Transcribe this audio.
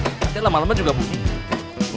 nanti lama lama juga mungkin